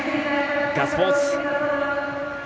ガッツポーズ！